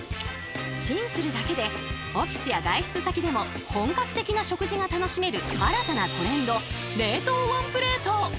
チンするだけでオフィスや外出先でも本格的な食事が楽しめる新たなトレンド冷凍ワンプレート！